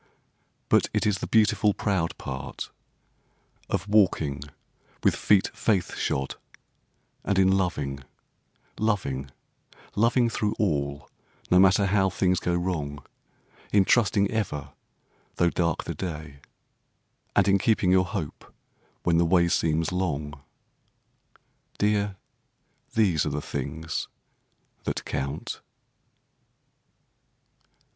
But it is the beautiful proud part Of walking with feet faith shod; And in loving, loving, loving through all, no matter how things go wrong; In trusting ever, though dark the day, and in keeping your hope when the way seems long— Dear, these are the things that count.